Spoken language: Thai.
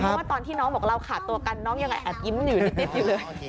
เพราะว่าตอนที่น้องบอกเราขาดตัวกันน้องยังไงแอบยิ้มอยู่นิดอยู่เลย